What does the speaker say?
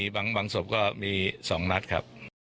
บางศพก็มี๒นัดครับ